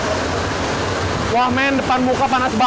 ini adalah bentuk awal toples kaca yang dibuat